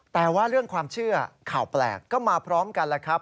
แต่ว่าเรื่องความเชื่อข่าวแปลกก็มาพร้อมกันแล้วครับ